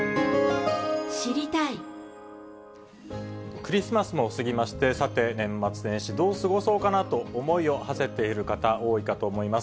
クリスマスも過ぎまして、さて、年末年始どう過ごそうかなと思いをはせている方、多いかと思います。